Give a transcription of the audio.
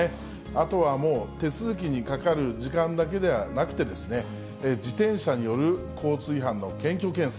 あとはもう、手続きにかかる時間だけではなくてですね、自転車による交通違反の検挙件数。